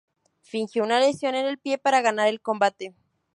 Fingió una lesión en el pie para ganar el combate.